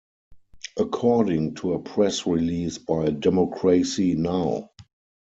According to a press release by Democracy Now!